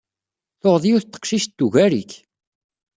Tuɣeḍ yiwet n teqcict tugar-ik.